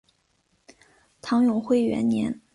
唐永徽元年。